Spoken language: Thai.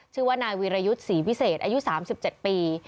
ชื่อว่านายวีรยุทธ์ศรีวิเศษอายุ๓๗ปี